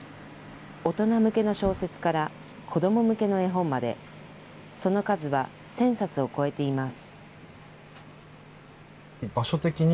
大人向けの小説から子ども向けの絵本まで、その数は１０００冊を超えています。